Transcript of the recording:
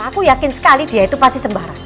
aku yakin sekali dia itu pasti sembarang